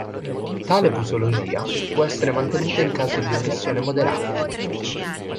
Tale posologia può essere mantenuta in caso di depressioni moderate.